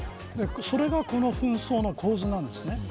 それがこの紛争の構図なんです。